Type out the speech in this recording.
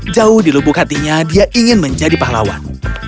jauh dilubuk hatinya dia ingin menjadi pahlawan